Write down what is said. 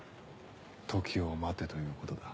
時を待てということだ